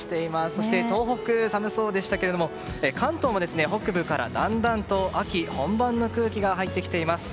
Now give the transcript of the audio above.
そして東北、寒そうでしたけども関東も北部からだんだんと秋本番の空気が入ってきています。